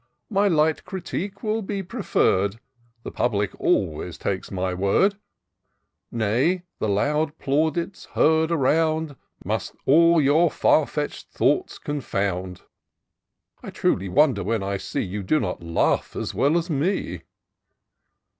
My light critique will be preferr'd ; The public always take my word ; Nay, the loud plaudits heard around Must all your fiur fetch'd thoughts confound : I truly wonder when I see You do not laugh as well as me."